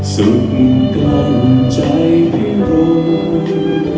สุขกลางใจที่ร่วง